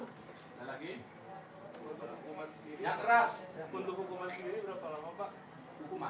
untuk hukuman sendiri berapa lama pak